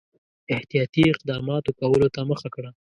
احتیاطي اقداماتو کولو ته مخه کړه.